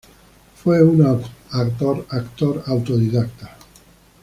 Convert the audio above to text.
Fue un actor autodidacta.